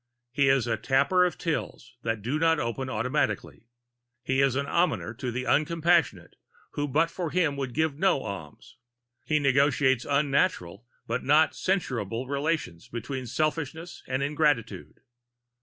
He is a tapper of tills that do not open automatically. He is almoner to the uncompassionate, who but for him would give no alms. He negotiates unnatural but not censurable relations between selfishness and ingratitude.